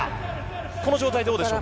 この状態どうでしょう。